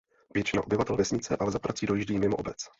Většina obyvatel vesnice ale za prací dojíždí mimo obec.